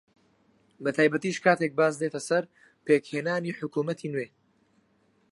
بەتایبەتیش کاتێک باس دێتە سەر پێکهێنانی حکوومەتی نوێ